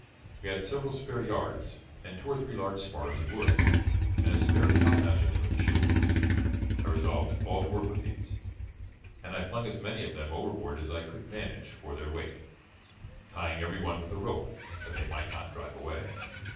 We had several spare yards, and two or three large spars of wood, and a spare topmast or two in the ship; I resolved to fall to work with these, and I flung as many of them overboard as I could manage for their weight, tying every one with a rope, that they might not drive away.